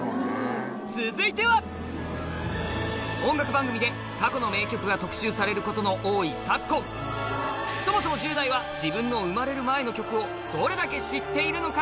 続いては音楽番組で過去の名曲が特集されることの多い昨今そもそも１０代は自分の生まれる前の曲をどれだけ知っているのか？